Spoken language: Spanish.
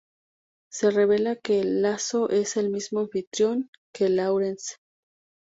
Se revela que El Lazo es el mismo anfitrión que Lawrence.